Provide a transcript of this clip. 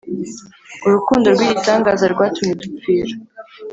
Urukundo rw’igitangaza rwatumye udupfira